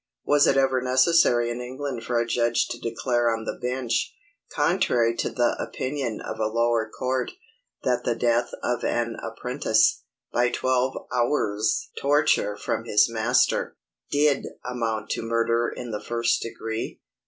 Was it ever necessary in England for a judge to declare on the bench, contrary to the opinion of a lower court, that the death of an apprentice, by twelve hours' torture from his master, did amount to murder in the first degree?